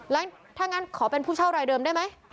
แล้วถ้างั้นขอเป็นผู้เช่ารายเดิมได้ไหม